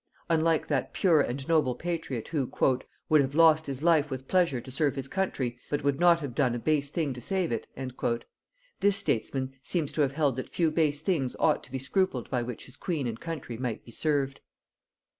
Unlike that pure and noble patriot who "would have lost his life with pleasure to serve his country, but would not have done a base thing to save it," this statesman seems to have held that few base things ought to be scrupled by which his queen and country might be served.